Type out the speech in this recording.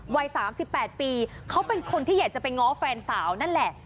วัย๓๘ปีเขาเป็นคนที่อยากจะไปง้อแฟนสาวนั่นแหละ